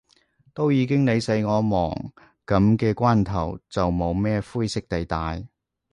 都已經你死我亡，噉嘅關頭，就冇咩灰色地帶